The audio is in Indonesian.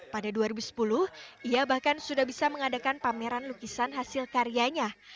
pada dua ribu sepuluh ia bahkan sudah bisa mengadakan pameran lukisan hasil karyanya